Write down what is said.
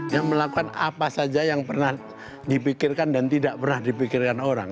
yang melakukan apa saja yang pernah dipikirkan dan tidak pernah dipikirkan orang